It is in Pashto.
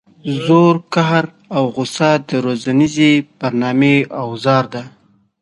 زور قهر او غصه د روزنیزې برنامې اوزار دي.